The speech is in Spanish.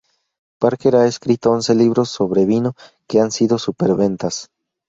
Parker ha escrito once libros sobre vino que han sido superventas.